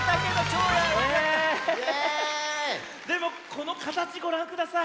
でもこのかたちごらんください。